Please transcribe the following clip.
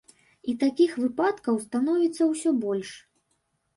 І такіх выпадкаў становіцца ўсё больш.